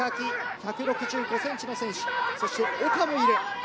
１６５ｃｍの選手、尾家もいる。